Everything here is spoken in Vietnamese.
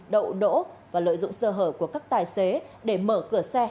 đậu đỗ và lợi dụng sơ hở của các tài xế để mở cửa xe